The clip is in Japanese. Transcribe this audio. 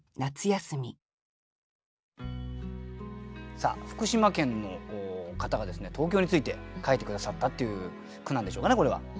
さあ福島県の方がですね東京について書いて下さったっていう句なんでしょうかねこれは。